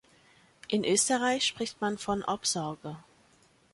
In Österreich spricht man von „Obsorge“.